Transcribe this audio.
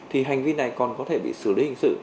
thì hành vi này còn có thể bị xử lý hình sự